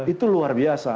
itu luar biasa